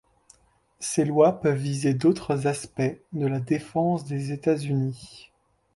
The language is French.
Ces lois peuvent viser d'autres aspects de la défense des États-Unis.